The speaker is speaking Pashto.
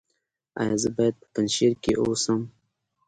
ایا زه باید په پنجشیر کې اوسم؟